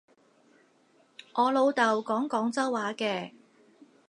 我老豆講廣州話嘅